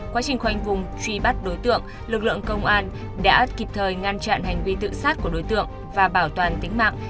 quá trình khoanh vùng truy bắt đối tượng lực lượng công an đã kịp thời ngăn chặn hành vi tự sát của đối tượng và bảo toàn tính mạng